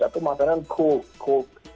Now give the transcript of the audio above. atau makanan cold